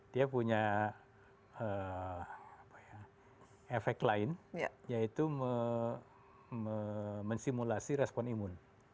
dia punya efek lain yaitu mensimulasi respon imun